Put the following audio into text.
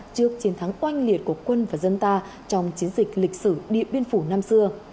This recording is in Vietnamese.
trước chiến thắng oanh liệt của quân và dân ta trong chiến dịch lịch sử điện biên phủ năm xưa